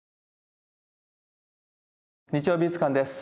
「日曜美術館」です。